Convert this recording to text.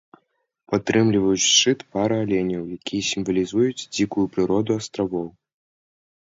Падтрымліваюць шчыт пара аленяў, якія сімвалізуюць дзікую прыроду астравоў.